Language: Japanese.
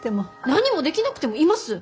何もできなくてもいます！